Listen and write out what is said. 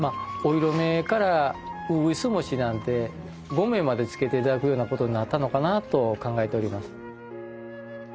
お色目からうぐいす餅なんて御銘まで付けて頂くようなことになったのかなと考えております。